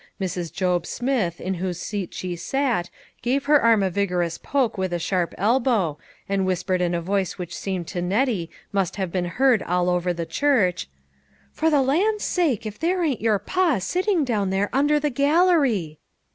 Mrs. Job Smith in whose seat she sat, gave her arm a vigorous poke with a sharp elbow, and whispered in a voice which seemed to Nettie must have been heard all over the church, " For the land's sake, if there ain't your pa sitting down there under the gallery